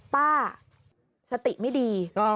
ป้าสติไม่ดี